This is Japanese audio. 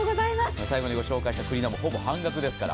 最後にご紹介したクリーナーもほぼ半額ですから。